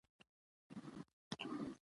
انار د افغانستان د زرغونتیا نښه ده.